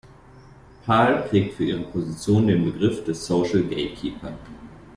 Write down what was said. Pahl prägt für ihre Position den Begriff des "social gatekeeper".